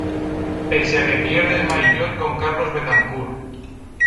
Pese a que pierde el maillot con Carlos Betancourt.